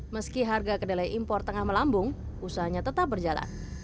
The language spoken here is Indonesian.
meski harga kedelai impor tengah melambung usahanya tetap berjalan